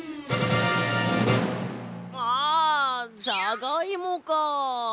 ああじゃがいもか。